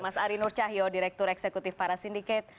mas arie nur cahyo direktur eksekutif para sindiket